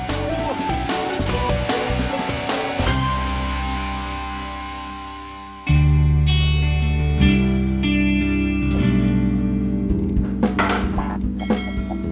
kabur lagi tuh cewek